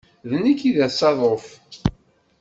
D nekk i d asaḍuf.